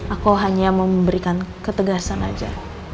aku hanya memberikan ketegasan aja